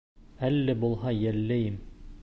Әле булһа йәлләйем.